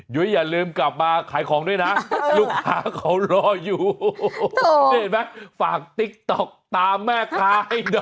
ยุ้ยอย่าลืมกลับมาขายของด้วยนะลูกค้าเขารออยู่นี่เห็นไหมฝากติ๊กต๊อกตามแม่ค้าให้นะ